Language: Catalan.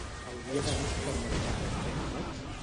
Hauria d'anar al supermercat, com ho faig?